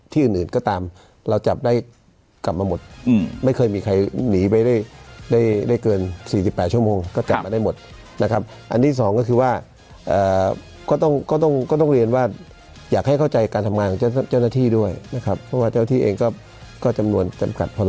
ถือคุณสามอยากให้เข้าใจการทำงานของเจ้าหน้าที่ด้วยเพราะว่าเจ้าที่เองก็ก็จำนวนจำกัดพร้อมควร